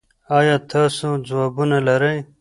ایا تاسو ځوابونه لرئ؟